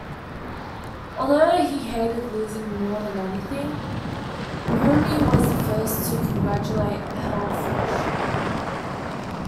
Although he hated losing more than anything, Nurmi was the first to congratulate Helffrich.